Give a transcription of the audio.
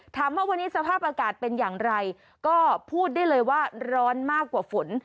ถามว่าวันนี้สภาพอากาศเป็นอย่างไรก็พูดได้เลยว่าร้อนมากกว่าฝน